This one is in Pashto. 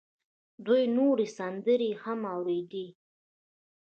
دوه نورې سندرې يې هم واورېدې.